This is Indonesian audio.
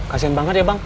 kasian banget ya bang